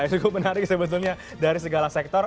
cukup menarik sebetulnya dari segala sektor